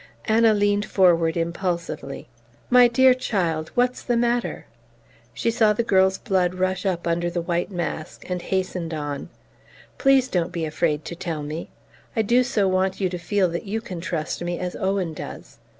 Anna leaned forward impulsively. "My dear child, what's the matter?" She saw the girl's blood rush up under the white mask, and hastened on: "Please don't be afraid to tell me. I do so want you to feel that you can trust me as Owen does.